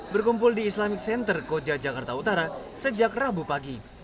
berkumpul di islamic center koja jakarta utara sejak rabu pagi